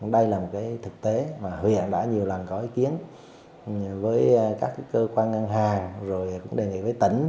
đây là một thực tế mà huyện đã nhiều lần có ý kiến với các cơ quan ngân hàng rồi cũng đề nghị với tỉnh